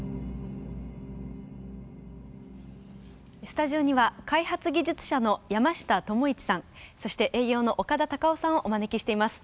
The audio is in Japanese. スタジオには開発技術者の山下友一さんそして営業の岡田隆夫さんをお招きしています。